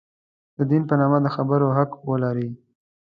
د دین په نامه د خبرو حق ولري.